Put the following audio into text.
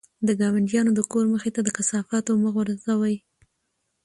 د ګاونډیانو د کور مخې ته د کثافاتو مه غورځوئ.